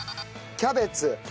キャベツ。